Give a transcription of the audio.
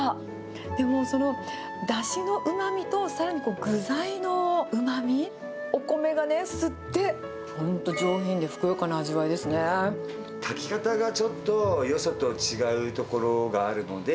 でも、そのだしのうまみとさらに具材のうまみ、お米がね、吸って、本当、炊き方がちょっと、よそと違うところがあるので。